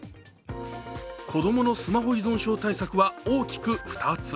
子供のスマホ依存症対策は大きく２つ。